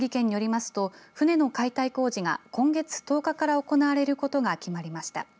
宮城県によりますと船の解体工事が今月１０日から行われることが決まりました。